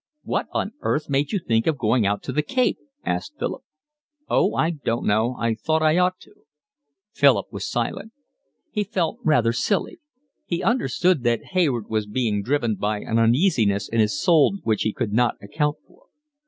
"What on earth made you think of going out to the Cape?" asked Philip. "Oh, I don't know, I thought I ought to." Philip was silent. He felt rather silly. He understood that Hayward was being driven by an uneasiness in his soul which he could not account for.